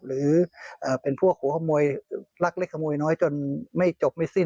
หรือเป็นพวกหัวขโมยรักเล็กขโมยน้อยจนไม่จบไม่สิ้น